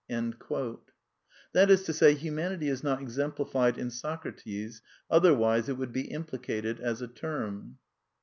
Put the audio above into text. ^' That is to say, " humanity " is not exemplified in Socra tes, otherwise it would be implicated as a term.